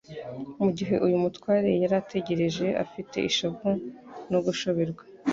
Mu gihe uyu mutware yari ategereje afite ishavu no gushoberwa,